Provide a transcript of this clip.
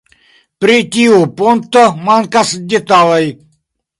Pri tiu punkto mankas detaloj.